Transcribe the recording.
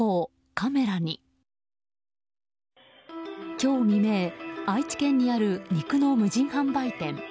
今日未明、愛知県にある肉の無人販売店。